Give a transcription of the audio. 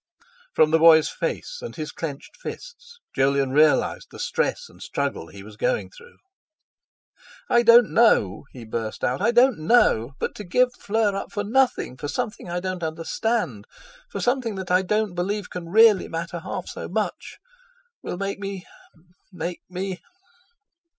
From the boy's face, and his clenched fists Jolyon realised the stress and struggle he was going through. "I don't know," he burst out, "I don't know! But to give Fleur up for nothing—for something I don't understand, for something that I don't believe can really matter half so much, will make me—make me...."